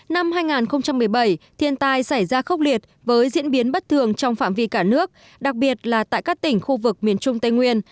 năm hai nghìn một mươi bảy thiên tai xảy ra khốc liệt với diễn biến bất thường trong phạm vi cả nước đặc biệt là tại các tỉnh khu vực miền trung tây nguyên